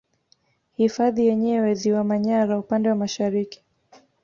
Hifadhi yenyewe Ziwa Manyara upande wa Mashariki